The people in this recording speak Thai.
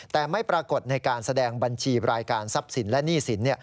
แต่ไม่ปรากฏในการแสดงบัญชีรายการทรัพย์สินและหนี้สิน